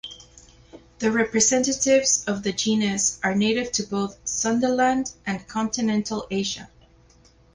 The representatives of the genus are native to both Sundaland and continental Asia.